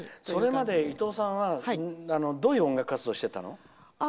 それまで伊東さんはどういう音楽活動してたの？